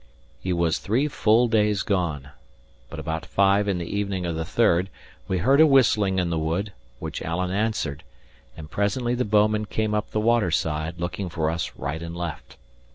He was three full days gone, but about five in the evening of the third, we heard a whistling in the wood, which Alan answered; and presently the bouman came up the water side, looking for us, right and left.